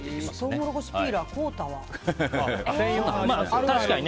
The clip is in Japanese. トウモロコシピーラー買うたわ。